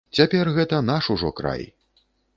Цяпер гэта наш ужо край.